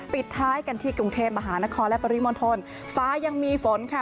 ปิดท้ายกันที่กรุงเทพมหานครและปริมณฑลฟ้ายังมีฝนค่ะ